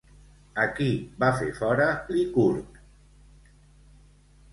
A qui va fer fora Licurg?